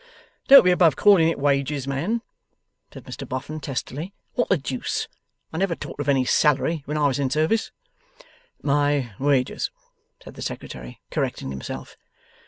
'Don't be above calling it wages, man,' said Mr Boffin, testily. 'What the deuce! I never talked of any salary when I was in service.' 'My wages,' said the Secretary, correcting himself.